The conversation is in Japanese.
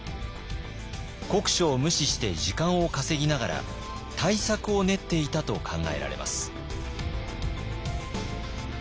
国書を無視して時間を稼ぎながら対策を練っていたと考えられます。